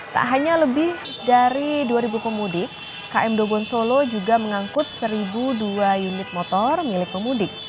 tak hanya lebih dari dua pemudik km dobon solo juga mengangkut satu dua unit motor milik pemudik